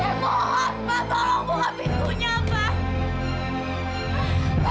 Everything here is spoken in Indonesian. semua orang tolong buka pintunya pak